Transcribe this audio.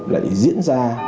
lại diễn ra